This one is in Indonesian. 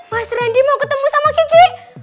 mas randy mau ketemu sama kiki